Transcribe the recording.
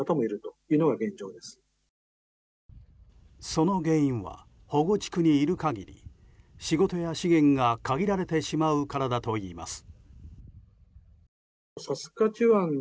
その原因は保護地区にいる限り仕事や資源が限られてしまうからだといいます。